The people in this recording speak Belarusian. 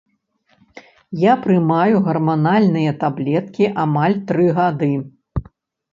Я прымаю гарманальныя таблеткі амаль тры гады.